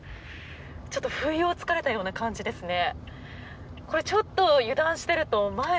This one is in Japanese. ちょっと不意を突かれたような感じですね。